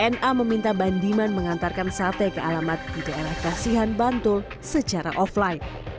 na meminta bandiman mengantarkan sate ke alamat di daerah kasihan bantul secara offline